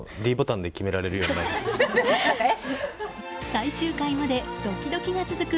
最終回までドキドキが続く